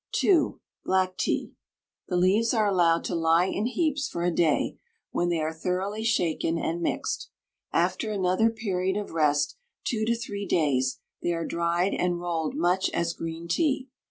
2. Black Tea. The leaves are allowed to lie in heaps for a day, when they are thoroughly shaken and mixed. After another period of rest, two to three days, they are dried and rolled much as green tea.